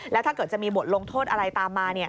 แล้วถ้าเกิดจะมีบทลงโทษอะไรตามมา